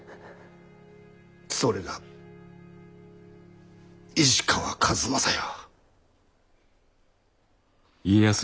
それが石川数正よ。